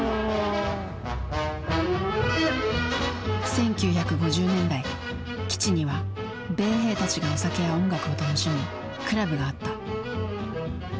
１９５０年代基地には米兵たちがお酒や音楽を楽しむクラブがあった。